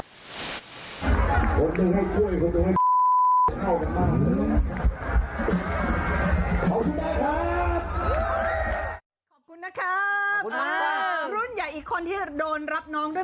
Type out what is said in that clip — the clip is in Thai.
ขอบคุณมากครับขอบคุณนะครับอ่ารุ่นใหญ่อีกคนที่โดนรับนองด้วย